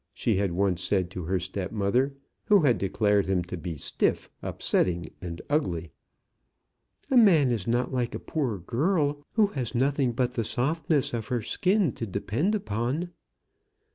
she had once said to her step mother, who had declared him to be stiff, upsetting, and ugly. "A man is not like a poor girl, who has nothing but the softness of her skin to depend upon."